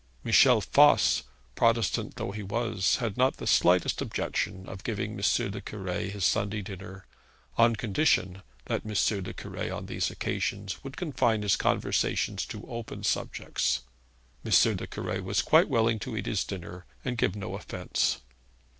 Michel Voss, Protestant though he was, had not the slightest objection to giving M. le Cure his Sunday dinner, on condition that M. le Cure on these occasions would confine his conversation to open subjects. M. le Cure was quite willing to eat his dinner and give no offence.